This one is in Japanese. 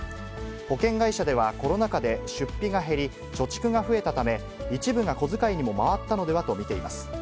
保険会社ではコロナ禍で出費が減り、貯蓄が増えたため、一部が小遣いにも回ったのではと見ています。